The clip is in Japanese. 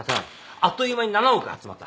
あっという間に７億集まった。